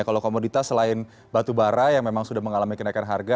kalau komoditas selain batubara yang memang sudah mengalami kenaikan harga